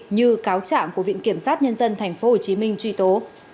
như cáo trạng của viện kiểm sát nhân dân tp hcm truy tố